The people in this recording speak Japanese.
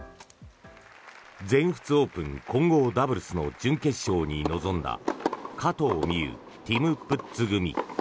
全仏オープン混合ダブルスの準決勝に臨んだ加藤未唯、ティム・プッツ組。